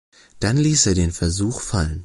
Dann ließ er den Versuch fallen.